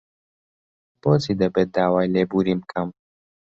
بۆچی دەبێت داوای لێبوورین بکەم؟